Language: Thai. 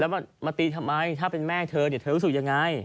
มาตีทำไมถ้าเป็นแม่เธอเธอรู้สึกยังไง